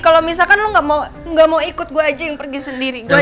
kalau misalkan lo gak mau ikut gue aja yang pergi sendiri